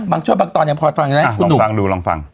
บางช่วงบางตอนอย่างพอฟังได้ไหมคุณหนู